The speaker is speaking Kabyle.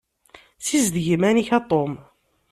Ssizdeg iman-ik a Tom.